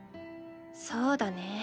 そうだね。